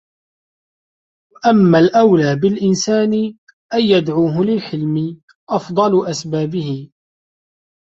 وَأَمَّا الْأَوْلَى بِالْإِنْسَانِ أَنْ يَدْعُوَهُ لَلْحِلْمِ أَفْضَلُ أَسْبَابِهِ